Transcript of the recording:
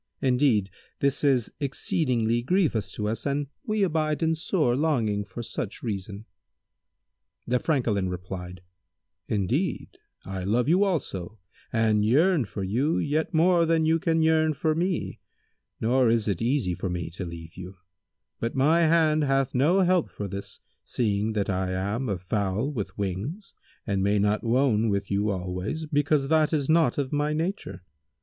Indeed this is exceeding grievous to us and we abide in sore longing for such reason." The Francolin replied, "Indeed, I love you also and yearn for you yet more than you can yearn for me, nor is it easy for me to leave you; but my hand hath no help for this, seeing that I am a fowl with wings and may not wone with you always, because that is not of my nature.